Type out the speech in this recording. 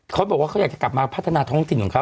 เค้าบอกว่าเค้าอยากจะกลับมาพัฒนาศรพงศิลป์ของเค้า